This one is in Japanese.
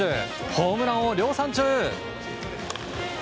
ホームランを量産中。